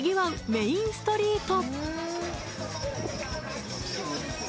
メインストリート